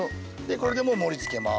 これでもう盛りつけます。